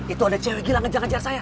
itu ada cewek gila ngejar ngajar saya